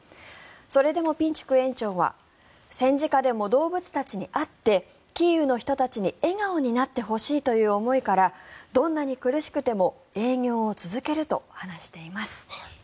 それでもピンチュク園長は戦時下でも動物たちに会ってキーウの人たちに笑顔になってほしいという思いからどんなに苦しくても営業を続けると話しています。